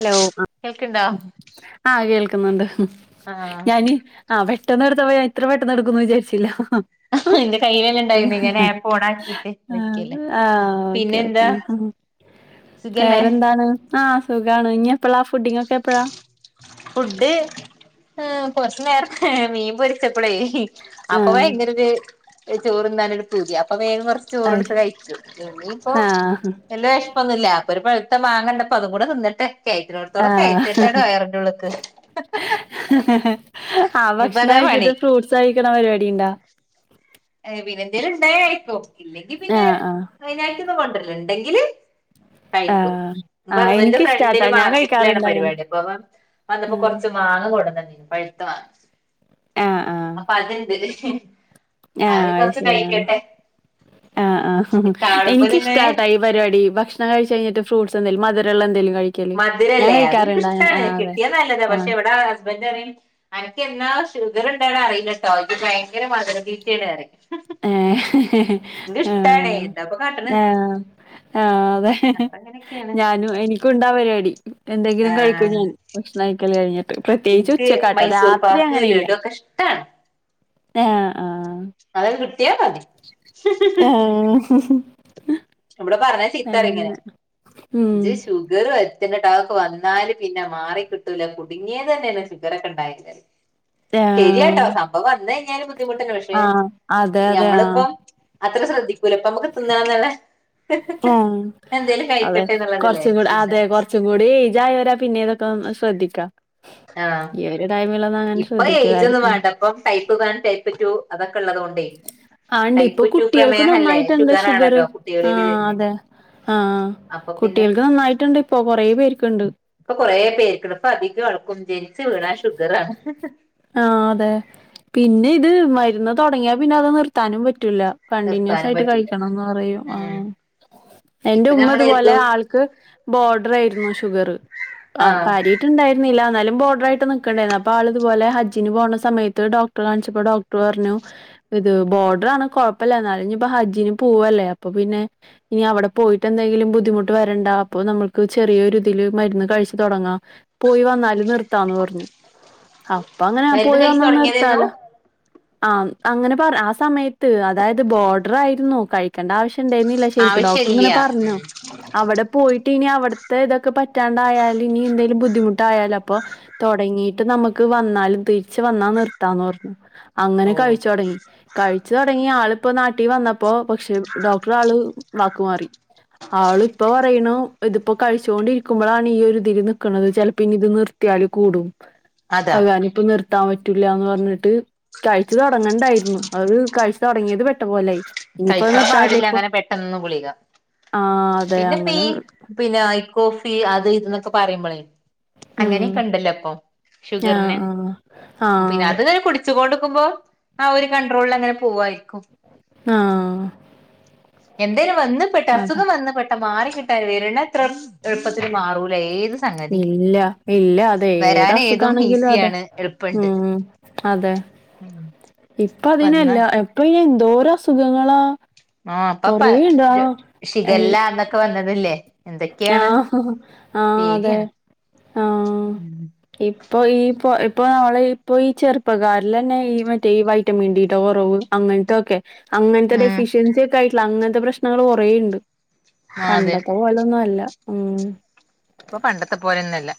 Hello കേൾക്ക്ണ്ടോ ആ ആ കേൾക്കുന്നുണ്ട് ആഹ് ഞാന ആ പെ ട്ടെന്ന് എടുത്ത പോ ഞാൻ ഇത്ര പെട്ടെന്നേടുക്കന്ന് വിചാര്ച്ചില്ല. എന്റെ കയ്യിലെന്നെ ഇണ്ടായിന്ന് ഞാൻ ആപ്പ് ഓണാക്കിട്ട് നിക്കല്ലേ ആ ഓക്കേ ഓക്കേ. പിന്നെന്താ സുഖല്ലേ വേറെന്താണ് ആ സുഖാണ് ഇനിപ്പളാ ഫുഡിങ് ഓക എപ്പളാ? ഫുഡ് കൊറച്ചു നേരം മീൻ പൊര്ച്ചപ്പളെ ആ അപ്പവയ്ങ്കരു ചോറ്ന്നാനൊരു പൂതി അപ്പൊ കൊറച്ച് അത് ചോറിടുത്ത് ശരി കഴിച്ചു ഇനീപ്പ ആ എല്ല വിഷപ്പൊന്നുല്ല. ഇപ്പൊരു പഴുത്ത മാങ്ങണ്ടപ്പൊ അതുംകൂടെ തിന്നിട്ട് കയറ്റിനോടത്തോടെ ആ കഴറ്റട്ടാണ് വയറിന്റെളുക്ക്. ആ അതാ ഭക്ഷണഴിച്ചിട്ട് പണി ഫ്രൂട്സഴിക്കണ പരിപാടിണ്ടാ? അ പിന്നെ ന്തൽമുണ്ടാകിൽ കഴിക്കും ഇല്ലെങ്കി ആ പിന്നെ ആ അയ്നായ്ട്ടൊന്നും കൊണ്ടല്ല ണ്ടെങ്കില് ആ കഴിക്കും ആ ഹസ്ബന്ന്ന്റെ എനിക്കിഷ്ടാട്ടാ ഫ്രണ്ടിന് ഞാൻ മാർക്കറ്റിലാണ് കഴിക്കാറുണ്ട് അങ്ങനെ പരിപാടി അപ്പ വന്നപ്പോ കുറ മാങ്ങ കൊടുന്നന്നീനി പഴുത്ത മാങ്ങ ആ ആ ആ അപ്പൊ അതണ്ട്. ആ അത് കൊറച്ച് ശരി ആ കഴിക്കട്ടെ. ആ ആ കാണുമ്പോല് ഇങ്ങനെ എനക്കിഷ്ടട്ടാ ഈ പരിപാടി ഭക്ഷണം കഴിച്ചഴിഞ്ഞിട്ട് ഈ ഫ്രൂട്സ്ന്തെലും മധുരഉള്ളത് ന്തല്മ മധുരല്ലേ അത്നക്ക് ഷ്ടാണ് അതെ കിട്ടിയാ നല്ലതാ ആ പക്ഷെ വിടെ ഹസ്ബൻന്ററിയും അനക്കെന്നാ ഷുഗർ ണ്ട അറില്ലട്ടോ ഇജ്ജ് ഭയങ്കര മധുരത്തിറ്റിയാണറിം. ഹേ ആ എന്താപ്പൊ കാട്ടണ് ആ ആ അതെ അപ്പൊ അങ്ങനെയൊക്കെയാണ് ഞാനും എനിക്കുംണ്ടാ പരിപാടി. എന്തെങ്കിലും കഴിക്കും ആഹ് ഞാൻ ഭക്ഷണംയ്ക്കലഴിഞ്ഞിട്ട്. പ്രത്യേകിച്ച് എനിക്ക് ഉച്ചക്കാട്ട മൈസൂർ രാത്രി പാക്ക് അങ്ങനെയില്ല. ലഡു ഒക്കെ ഇഷ്ടാണ് ആഹ ആഹ അത് കിട്ടിയാ മതി ഹേ. [inaudible] ഇവിടെ പറഞ്ഞ ചീത്താറിങ്ങനെ ഉം ഇജ്ജ് ഷുഗർ അതൊക്കെ വന്നാല് പിന്നെ മാറി കിട്ടൂല കുടുങ്ങിതന്നെണ് ഷുഗർക്കെ ഉണ്ടായികയ്ഞ്ഞാൽ. ആ ശരിയാട്ടോ സംഭവം വന്നഴിഞ്ഞാൽ ബുദ്ധിമുട്ടന്നേ പക്ഷേ ആ അതെ അതെ ആ ഞമ്മളിപ്പം. അത്ര ശ്രദ്ധിക്കൂല ഇപ്പമുക്ക് തിന്നണം ന്ന് ളേ ആ.. അതെ എന്നുള്ളതല്ലേ കുറച്ചും കൂടി ചിന്ത അതെ കൊറച്ചും കൂടിഅജ് ആയവർആ പീന്നെതൊക്കെ ശ്രദ്ധിക്കാ ആഹ് ഈയൊരു ടൈ ഇപ്പൊ ഏജ് ഒന്നും വേണ്ടപ്പ ടൈപ്പ് വൺ ടൈപ്പ് ടു അതൊക്കെ ള്ളതോണ്ടേ ആ ണ്ട് ഇപ്പൊ കുട്ടിക്കും നന്നായിട്ടുണ്ട് ഷുഗർ ആണല്ലോ ആ കുട്ടികളില് വരുന്നേ അതെ. ആ അപ്പൊ പിന്നെ കുട്ടികൾക്ക് നന്നായിട്ടുണ്ട് പ്പൊ കൊറേ പേർക്കുണ്ട്. കുറേ പേർക്ക് അധികവും ജനിച്ചു വീണാ ഷുഗറാണ്. ആ അതെ പിന്നെത് മരുന്ന് തുടങ്ങിയാ പിന്നെത് നിർത്താനും പ റ്റൂല നിർത്താനും കണ്ടിന്യൂസയിട്ട് പറ്റൂല കഴിക്കണംന്ന് പറയും ആ. ഉം എന്റെ ഇപ്പൊ നമ്മൾ ഉമ്മത് പോലെ എഴുതും ആൾക്ക് ബോർഡർ ആയിരുന്നു ഷുഗർ. ആ ആഹ് കാര്യാട്ടുണ്ടരുന്നില്ല ന്നാലും ബോർഡർട്ട് നിക്കണ്ടായിരുന്നു ആൾത് തുപോലെ ഹജ്ജിന് പോണ സമയത്ത് ഡോക്ടർ കാണിച്ചപ്പോ ഡോക്ടർ പറഞ്ഞു ഇത് ബോർഡർാണ് കുഴപ്പല്ല. ന്നാലുംഞ് പ്പോ ഹജ്ജിന് പോവല്ലേ അപ്പൊ പിന്നെ ഇനി വടെ പോയിട്ടന്തെങ്കിലും ബുദ്ധിമുട്ട് വരണ്ട അപ്പൊ നമ്മക്ക് ചെറിയൊ ഇതില് മരുന്ന് കഴിച്ചു തുടങ്ങാ പോയി വന്നല് നിർത്താന്ന് പറഞ്ഞു. അപ്പൊ അങ്ങനെ മരുന്ന് പോയി കഴിച്ചു വന്നു തുടങ്ങിയതേന്നു നിർത്താലോ ആ അങ്ങനെ പറ ആ സമയത്ത് അതായത് ബോർഡർായിരുന്നു കഴിക്കേണ്ട ആവശ്യ ണ്ടുന്നില്ല ശെരിക്ക് ഡോക്ടർ ഇങ്ങനെ ആവശ്യല്ല പറഞ്ഞോ ഉം അവിടെ പോയി ഇനി അവിടുത്തെ ഇതൊക്കെ [unintelligible] പറ്റാണ്ടായാലും ഇനി എന്തേങ്കിലും ബുദ്ധിമുട്ടായാലും അപ്പൊ തുടങ്ങിട്ട് നമുക്ക് വന്നാലും തിരിച്ച വന്നാ നിർത്താന്ന് പറഞ്ഞു അങ്ങനെ ഓഹ് കഴിച്ചു തുടങ്ങി കഴി ച്ചു തുടങ്ങി ആളിപ്പോ നാട്ടിൽ വന്നപ്പോ പക്ഷെ ഡോക്ടർ ആള് വാക്കുമാറി. ആൾ ഇപ്പോ പറയണ ഇതിപ്പോ കഴിച്ചോണ്ടിരിക്കുമ്പോഴാണ് ഈ ഒരു ഇതിരി നിക്കുന്നത് ചിലപ്പോ ഇനി ഇത് നിർത്തി. നിർത്തിയാൽ കൂടും. അതാ അത് കാരണം ഇപ്പ നിർത്താൻ പറ്റൂല്ലന്ന് പറഞ്ഞിട്ട് കഴിച് തൊടങ്ങണ്ടായിരുന്നു അവര് കയ്ച് തുടങ്ങിയത് പെട്ട പോലെ ആയി. കയ്ക്കാൻ പാടില്ല അങ്ങനെ പെട്ടെനൊന്നും ഗുളിക. ആഹ് അതെ പിന്നെ ഫീ അങ്ങനെ പിന്നെ ഐക്കോ ഫീ അത് ഇതന്നൊക്കെ പറയുമ്പോളേ. ഉം അങ്ങനെയൊക്കെ ഇണ്ടല്ലോ അപ്പൊ ഷുഗറിന് ആഹ് ആഹ് പിന്നെ ആഹ് അത്ങ്ങനെ കുടിച്ചൊണ്ട് കുമ്പോ ആ ഒരു കൺണ്ട്രോളിൽ അങ്ങനെ പോവായിരിക്കും. ആ എന്തേലും വന്ന്പ്പെട്ട അസുഖം വന്ന്പെട്ട മാറിക്കിട്ട വരണ അത്ര എളുപ്പത്തിന് മാറൂല ഏത്. സംഗതി ഇല്ല ഇല്ല അത ഏത് വരാൻ ഏതും അസുഖാണെങ്കിലും അതെ. ഈസിയാണ് എളുപ്പണ്ട് ഉം അതെ ഇപ്പ അതിനല്ല വന്ന എപ്പ. എന്തോര അസുഖങ്ങളാ? ആ അപ്പൊ കൊറേണ്ട് ആഹ് എൽ ഷിഖല്ലന്നൊക്കെ വന്നതില്ലേ എന്തൊക്കെയാണ്. പേടിയാണ്. ആഹ ഉം ഇപ്പൊ ഈ പൊ ഇപ്പൊ നമ്മള ഇപ്പൊ ഈ ചെറുപ്പക്കാരിൽ ലന്നെ ഈ മറ്റേ ഈ വൈറ്റമിൻ ഡിടെ കുറവ് അങ്ങനത്തൊക്കെ. അങ്ങനത്തെ ഉം ഡെഫിഷ്യൻസി ഒക്കെ ആയിട്ടുള്ള അങ്ങനത്തെ പ്രശ്നങ്ങൾ കുറെണ്ട്. അതെ പണ്ടത്തെ പോലൊന്നുല്ല ഉ. ഇപ്പൊ പണ്ടത്തെ പോലൊന്നല്ല.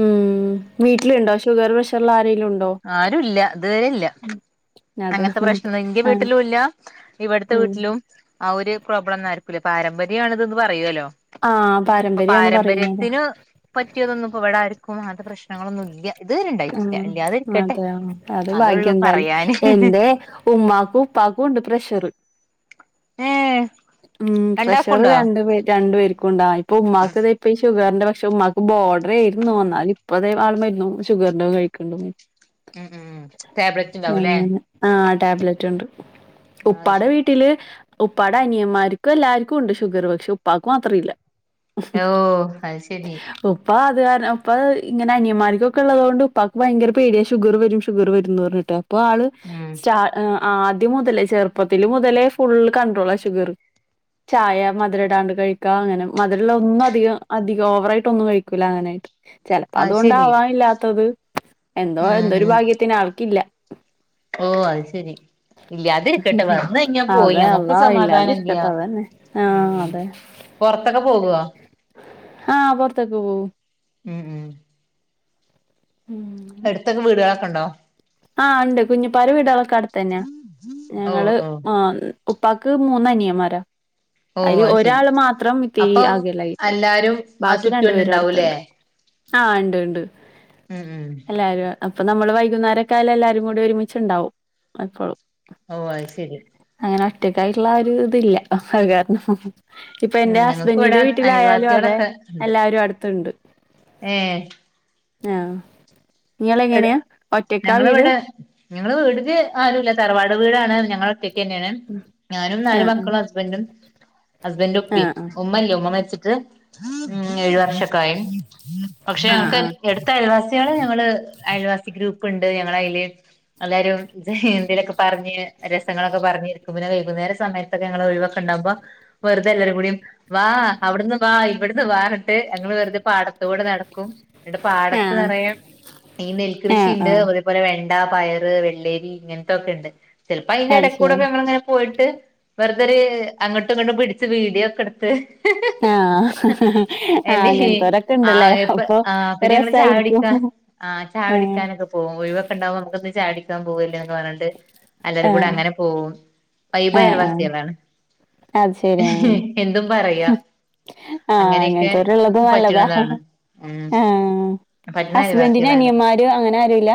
ഉം വീട്ടിലുണ്ടോ ഷുഗർ പ്രഷർ ആ ആരുല്ല ഇതുവരെല്ല ഉം. അതെ. അങ്ങനത്തെ പ്രശ്നം ഉന്റെ ആ. വീട്ടിലുല്ല. ഇവിടത്തെ മ്മ്. വീട്ടിലും ആ ഒരു പ്രോബ്ലംന്നും ആർക്കുല്ല പാരമ്പര്യ ണ് ഇതെന്ന് പറയോല്ലോ? ആ അപ്പൊ പാരമ്പര്യാന്ന് പറയുന്നത്. പാരമ്പര്യത്തിന് പറ്റിയതൊന്നും ഇപ്പോ ഇവിട ആര്ക്കും. [unintelligible] അങ്ങനത്തെ പ്രശ്നങ്ങളൊന്നും ഇല്ല ഇത് വരെ ആ. ഇണ്ടായിട്ടില്ല ഇല്ലാതിരിക്കട്ടെ അത് അതൊള്ളൂ ഭാഗ്യം പറയാന് എന്തായാലുംഎന്റെറെ ഉമ്മാക്കും ഉപ്പാക്കും ഉണ്ട് പ്രഷർ. ഏഹ് ഉ പ്രഷർ രണ്ടാക്കുണ്ടോ രണ്ട രണ്ടു പേർക്കുംണ്ട്. ഇപ്പ ഉ്മാക്ക് ഇ േത ഇപ്പ ഷുഗറിന്റെ പക്ഷെ ഉമ്മാക്ക് ബോർഡറേയിരുന്നു ഇന്നാലും ഇപ്പ തേ ആൾ മരുന്നു ഷുഗറിന്റെ കഴിക്ക്ണ്ട്. ഉം ഉം ഉ എങ്ങ ആ ടാബ്ലറ്റ് ഉണ്ട് ആഹ് ഉപ്പാടെ ശരി വീട്ടില്. ഉപ്പാടെ അനിയന്മാർക്കും എല്ലാർക്കും ഉണ്ട് ഷുഗർ പക്ഷെ ഉപ്പാക്ക്ക് മാത്രം ഇല്ല. ഓ അത് ശരി. അപ്പൊ അത്ാ കാരണം ഉപ്പ ഇങ്ങനെ അന്യന്മാർക്ക്. ഉള്ളത് കൊണ്ട് ഉപ്പാക്ക് ഭയങ്കര േപടിയ ഷുഗർ വരും ഷുഗർ വരുംന്ന് പറഞ്ഞിട്ട് അ ആള് ഉം ചാ ആ ആദ്യം മുതലേ ചെറുപ്പത്തില് മുതലേ ഫുൾ കണ്ട്രോളാ ഷുഗർ. ചായ മധുരംടാണ്ട് കഴിക്കുക അങ്ങനെ മധുരമുള്ള ഒന്നും അധികം അധികം ഓവറായിട്ട് ഒന്നും കഴിക്കൂല അങ്ങനെയായിട്ട്. ചെലപ്പോ അത് ശരി അതുകൊണ്ടാവാം ഇല്ലാത്തത് എന്തോ ഉം എന്തോ ഒരു ഉം ഭാഗ്യത്തിന് ആൾക്കില്ല. ഓ അത് ശരി. ഇല്ലാതിരിക്കട്ടെ വന്ന് കഴിഞ്ഞപോയി അതെ നമുക്ക് അള്ളാ സമാധാനല്യാ. ഇല്ലാതിരിക്കട്ടെ അതന്നെ ആഹ് പുറത്തൊക്കെ പോകോ? ആഹ പൊറത്തൊക്കെ പോവും. മം ഉം എടുത്തൊക്കെ വീടുകളൊക്കെ ഉണ്ടോ ആഹ ഉണ്ട് കുഞ്ഞു പാല വീടുകളൊക്കെ അടുത്തന്നെയാ ഓ ഞങ്ങള് ഓ ആ ഉപ്പാക്ക് മൂന്ന് അനിയന്മാര ഓ അതില് അത് ശരി ഒരാള് മാത്രം ഇത്തിരി അപ്പം ആകല്ലായിട്ട് എല്ലാരും ആ ബാക്കി ചുറ്റുവന്നെ രണ്ടുപേരും ഉണ്ടാവൂലേ അടുത്തണ്ട് ആ ഉണ്ട് ഉണ്ട് ഉം ഉം എല്ലാരും അപ്പൊ നമ്മള് വൈകുന്നേര കായാല എല്ലാരും കൂടി ഒരുമിച്ചുണ്ടാവും അപ്പോഴും ഓ ശരി അങ്ങനെ ഒട്ടക്കായിട്ടുള്ള ആ ഇതില്ല കാരണം ഇപ്പൊ ഉം എന്റെ ഞങ്ങക്ക് ഇവിടെ ഹസ്ബൻറിിന്റെ വീട്ടിലായാലും അതെ അയൽവാസികളൊക്കെ എല്ലാരും അടുത്തണ്ട് ഏ ആഹ ട ഞങ്ങള ഇവിടെ ഞങ്ങള് വീട്ക്ക് ആരും ല്ല തറവാട് വീടാണ് ഞ മൊക്ക തന്നെയാണ് ഞാനും നാല് ആഹ് മക്കളും ഹസ്ബൻഡും ഹസ്ബന്റ് ഉപ്പി ആഹ് ഉമ്മല്ലേ ഉമ്മ മരിച്ചിട്ട് ഉ ഏഴു വർഷക്കായും പക്ഷെ ആഹ് ഞങ്ങക്ക് എടുത്ത അയൽവാസികൾ ഞങ്ങള് അയിവാസി ഗ്രൂപ്പ്ണ്ട് ഞങ്ങള അതിൽ എല്ലരും എന്തലൊക്കെ പറഞ്ഞ് രസങ്ങളൊക്കെ പറഞ് വൈകുനേര സമയത്തൊക്കെ ഞങ്ങൾ ഒഴിവക്കെണ്ടാക്പോ വെറുത എല്ലരും കൂടി വാ അവിടുന്ന് വാ ആ ഇവിടെന്ന് വാ പറഞ്ഞിട്ട് ഞങ്ങൾ വെറുതെ പാടത്ത കൂടെ നടക്കും എന്റെ ആഹ് പാടത്ത്ന്ന് ആഹ് പറയാ ഈ നെൽകൃഷി ആഹ് ഉണ്ട് ആഹ് അതേപോലെ വെ ണ്ട പയർ വെള്ളേരി ഇങ്ങനത്തെൊക്കെ ഉണ്ട് ചിലപ്പോ അതിന്റെ അത് ശരി ഇടക്കൂടെൊക്കെങ്ങനെ പോയിട്ട് വെറുതൊരു അങ്ങോട്ടും ഇങ്ങോട്ടും പിടിച്ച് വീഡിയോ ഒക്കെ എടുത്ത് ആഹ് ആഹ് എന്റെ അങ്ങനത്തോരൊക്കെ ആ ഉണ്ടല്ലേ എപ്പ അപ്പൊ ആ പിന്നെ ഞങ്ങൾ രസായിരിക്കും ചായടിക്കാ ആഹ ആഹ് ചായടിക്കാനൊക്കെ പോക ഒഴിവക്കെണ്ടക്പോ നമുക്ക്ന്ന് ചായടിക്കാൻ പോകല്ലേ എന്നക്കെ പറഞ്ഞണ്ട് എല്ലരും കൂടെ ആഹ് അങ്ങനെ പോവും ആഹ് ആഹ് വൈഭയൽവാസികളാണ് അത് ശെരി ആഹ് എന്തും പറയാ ആഹ് അങ്ങനെയൊക്കെ അങ്ങനത്തോരുള്ളത് നല്ലതാ പറ്റണതാണ് ഉ ആഹ് പറ്റണവാ ഹസ്ബൻഡിന് സികളാണ്. അനിയന്മാര് അങ്ങനെ ആരുല്ല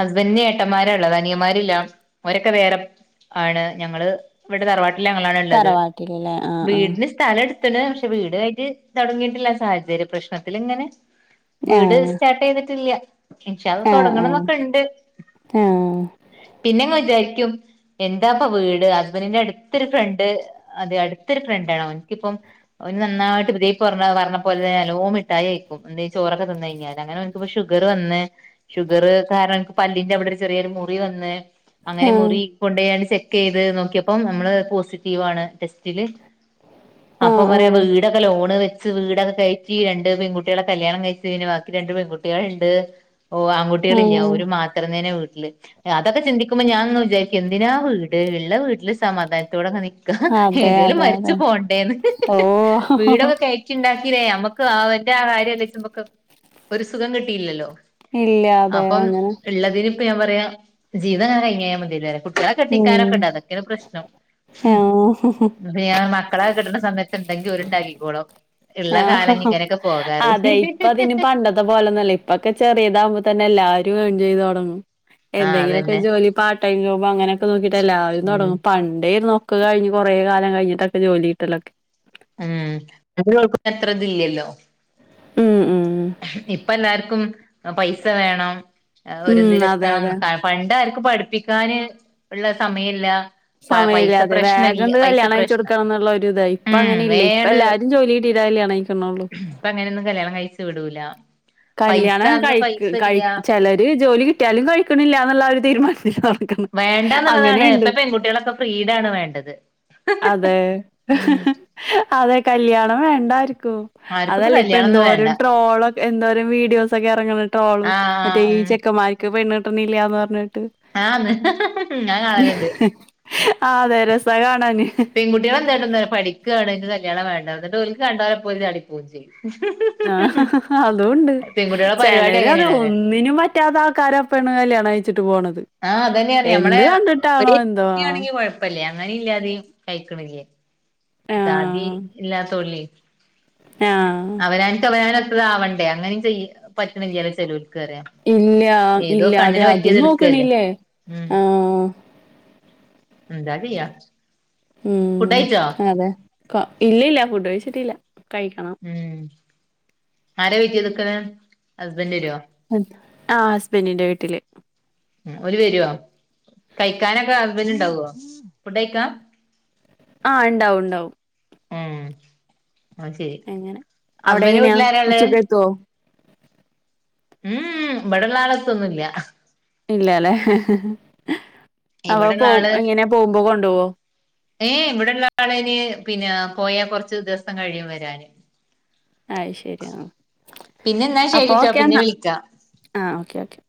ഹസ്ബൻഡ് ൻ ഏട്ടൻമാരാണ് അനിയൻമാറില്ല രില്ല ഓരൊക്കെ വേറെ ആണ് ഞങ്ങള് ഇവിടെ തറവാട്ട ണ ഉള്ളത് തറവാട്ടിലല്ലേ ആഹ് വീടി സ്ഥലടു പക്ഷെ വീട ആയിട്ട് തുടങ്ങിയിട്ടില്ല സാഹചര്യ പ്രശ്നത്തിൽ ഇങ്ങനെ വീട് ആഹ് സ്റ്റാർട്ട് ചെയ്തിട്ടില്ല ഇൻശാഅല്ലാഹ്‌ ആഹ് തുടങ്ങണംന്നൊക്കെ ഇണ്ട് ആഹ് പിന്നെങ്ങനെ വിചാരി എന്താപ്പ വീട് ഹസ്ബൻഡ് ന്റെ അടുത്തൊരു ഫ്രണ്ട് അതെ അടുത്തൊരു ഫ്രണ്ട് ആണ് അവനിക്കിപ്പം ഒരു നന്നായിട്ട് ഇത പറഞ്ഞ പോലെ തന്നെ നല്ലോം മിട്ടായി കഴിക്കും എന്ത ചോറൊക്കെ തിന്ന കഴഞ്ഞാല് അങ്ങനെ ഇപ്പ ഷുഗർ വന്ന് ഷുഗർ കാരണം പല്ലിന്റെ അവിടെ ഒരു ചെറിയൊരു മുറി വന്ന്ു ആഹ് അങ്ങനെ ആഹ് മുറി കൊണ്ടായാണ്ട് ചെക്ക് ചെയത് നോക്കിയപ്പോ നമ്മള് പോസിറ്റീവ്ണ് ടെസ്റ്റില് ആഹ് അപ്പം പറയാ ആഹ് വീടൊക്കെ ലോണ് വെ വീടൊക്കെ കയറ്റി രണ്ട് പെൺകുട്ടികളെ കല്യാണം കഴിച്ച ഇഞ് ബാക്കി രണ്ട് പെൺകുട്ടികള ഉണ്ട് ഓ ആഹ് ആൺകുട്ടികളില്ല ഒരു ആഹ് മാത്രം തന്നെ ഉള്ളു അതൊക്കെ ചിന്തിക്കുമ്പോ ഞാനന്ന് വിചാരിക്ക എന്തിനാ വീട് ഉള്ള വീട്ടില് സമാധാനത്തോടൊെ ന അതെ ഏതലും അതെ മരിച്ചു അതെ പോണ്ടേന്ന് ഓഹ് വീടൊക്കെ കഴറ്റിണ്ടാക്കിേ നമ്മക്ക് ആ എന്റെ ആ കാര്യംല്ലക്ക് ഒരു സുഖം കിട്ടിയില്ലല്ലോ ഇല്ല അതെ അപ്പം അങ്ങനെ ഉള്ളതി ഇപ്പ ഞാൻ പറയാ ജീവിത ങ്ങനെ കഴിഞ്ഞോയ മതില്ലോ പറ കെട്ടിക്കാനൊക്കെ ഉം ഉണ്ട് അതൊക്കെയാണ് പ്രശ്നം ആഹ് ഉ പിൻ മക്കളാ കെട്ടുന്ന സമയത്ത് മാണെങ്കി ഓൽ ണ്ടാക്കി കോളും ആഹ അതെ ഇപ്പൊ അതിന് പണ്ട അതപോലെന്നല്ല ഇപ്പൊക്കെ ചെറിയതാകുമ്പോ തന്നെ എല്ലാരും എൺ ചെയ്ത് തുടങ്ങും ആഹ് എന്തെങ്കിലുമൊക്കെ അതന്നെ ജോലി പാർട്ട് ടൈം ജോബോ അങ്ങനെയൊക്കെ നോക്കിട്ട എല്ലാരുംതു ഉം ടങ്ങും പണ്ടായിന്നോ ഒക്ക് കഴിഞ്റെേ കാലം കഴിഞ്ഞിട്ടൊക്കെ ജോലിയിട്ടൊക്കെ ഉം [unintelligible] എത്ര ഇതില്ലല്ലോ ഉം ഉം ഇപ്പ എല്ലാർക്കും പൈസ വേണം ഉം ഒരിതിൽ അതെ എത്തണം അതെ പണ്ട പഠിപ്പിക്കാന് ഉള്ള സമയില്ല പ പൈസ സമയല്ലാതെ പ്രശ്ന ഇല്ല വേഗണ്ട് പൈസ കല്യാണം കഴിച്ചു പ്രശ്നം കൊടുക്കണം എന്നുള്ള ഒരു ഇതാ ഇപ്പ ഉം അങ്ങനെ ഇല്ല ഇപ്പ വേണ് എല്ലാരും ജോലി കിട്ടിട്ടാ കല്യാണം കഴിക്കണുള്ളൂ അപ്പ അങ്ങനെയൊന്നും കല്യാണം കഴച്ച് വിടൂല പൈസ കല്യാണം അന്ന് കഴി പൈസ കഴി ഇല്ല ചിലര് ജോലി കിട്ടിയാലും കഴിക്കണില്ല എന്നുള്ള ഒരു തീരുമാനത്തി വേണ്ടന്നുള്ളതാണ് ഇപ്പൊ പെൺകുട്ടികളൊക്കെ ഫ്രീടാണ് വേണ്ടത് അതെ ഉം അതെ കല്യാണം വേണ്ട ആർക്കും ആർക്കിപ്പ അതല്ലേ ഇപ്പോ കല്യാണൊന്നും വേണ്ട എന്ധോരം ട്രോൾ എന്ദോ വീഡിയോസ് ഒക്കെ ഇറങ്ങണിട്ട്രോളും മറ്റേ ആഹ് ഈ ഉം ചെക്കമാർക്ക് പെണ്ണിട്ടണില്ലയന്ന് പറഞ്ഞി ആന്ന് ഞാൻ കാണലുണ്ട് ആതെ രസ പെൺകുട്ടികൾ എന്താ കാട്ടിനെ ന്നോ പഠിക്കആണ് കല്യാണം വേണ്ട എന്നി ഒലക്ക് കണ്ടാലെ പോല ഓൾ ചാടി പോകയും ചെയ്യും. ആഹ അതുംണ്ട് പെൺകുട്ടികളെ പരിപാടി ചിലര് അത് അങ്ങനെയാണറിയ ഒന്നിനും പറ്റാത്ത ആൾക്കാരപ്പണ അല്ലേ കണ അയച്ചട്ട് പോണുന്നത് ആഹ അതന്നെ അറിയാം നമ്മള [unintelligible] എന്തോ ണെങ്കി കൊഴപ്പല്ലേ അങ്ങനെ ഇല്ലാതെയ കഴിക്കണില്ലേ സാതി ആഹ് ഇല്ലാത്ത ഉള്ളേ ആഹ്. അവനനക്ക് അവനാണ് അവണ്ട അങ്ങനെ ചെയ പറ്റുന്നല്ല ചേലോർക് ഇല്ല ഏതോ ഇല്ലാതെ കണ്ണിന് പറ്റിയത് അതും എടുക്കല്ലേ നോക്ക്ണില്ലേ? ഉ ആഹ്. എന്താ ചെയ്യാ ഉം ഫുഡ് കഴിച്ചോ അതെ ഇല്ലല്ല ഫുഡ് കഴിച്ചിട്ടില്ല കഴിക്കണം ഉം ആര വെയിറ്റ് ചെയ്ത് നിക്കണേ ഹസ്ബൻറ് വരുവോ ആ ഹസ്ബൻറിന്റെ വീട്ടില് ഒരു വരുവോ കഴിക്കാനൊക്കെ ഹുസ്ബൻഡ് ഉണ്ടാവുവോ ഫുഡ് കഴിക്കാം ആഹ ഇണ്ടാവും ഉണ്ടാവും ഉം അ ശരി അങ്ങനെ അവിടെ ഹസ്ബന്റി എങ്ങനെയാ വീട്ടിലാരല്ലേ ഉച്ചക്കെത്തുവോ ഉം വിടലാലത്തൊന്നുല്ല ഇല്ലല്ലേ അപ്പൊ ഇവിടെള്ള പോ ആള് ഇങ്ങനെ പോകുമ്പോ കൊണ്ടുപോവോ ഏ ഇവിടെള്ള ആളിന് പിന്നെ പോയാ കൊറച്ച ദിവസം കഴിയും വരാനു അ ശരി എന്നാ അപ്പൊ ശരിട്ടോ ഓക്കെ പിന്നെ എന്നാൽ വിളിക്കാം ആ ഓക്കെ ഓക്കെ